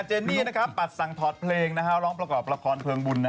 เนนี่ปัดสั่งถอดเพลงร้องประกอบละครเพลิงบุญ